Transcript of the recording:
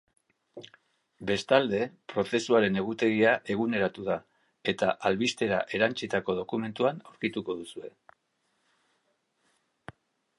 Bestalde, prozesuaren egutegia eguneratu da, eta albistera erantsitako dokumentuan aurkituko duzue.